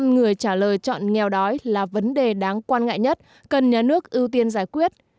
một mươi người trả lời chọn nghèo đói là vấn đề đáng quan ngại nhất cần nhà nước ưu tiên giải quyết